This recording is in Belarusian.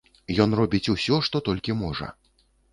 Ён робіць усё, што толькі можа.